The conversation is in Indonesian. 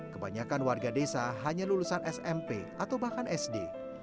kebanyakan warga desa hanya lulusan smp atau bahkan sd